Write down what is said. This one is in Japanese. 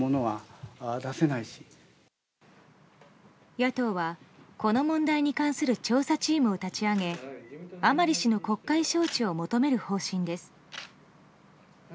野党は、この問題に関する調査チームを立ち上げ甘利氏の国会招致を求める方針です。